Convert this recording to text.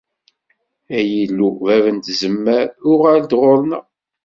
Ay Illu, bab n tzemmar, uɣal-d ɣur-neɣ!